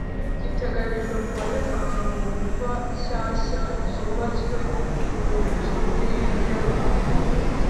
giteganyijwe kuwa Nyakanga mu mva nshyashya zubatswe ku rwibutso rw i Nyarubuye